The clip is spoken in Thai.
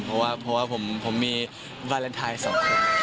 เพราะว่าผมมีวาเลนไทย๒คน